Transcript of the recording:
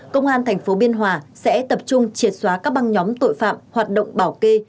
công an tp biên hòa sẽ tập trung triệt xóa các băng nhóm tội phạm hoạt động bảo kê